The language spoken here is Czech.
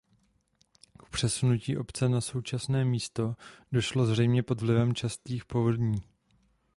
K přesunutí obce na současné místo došlo zřejmě pod vlivem častých povodní.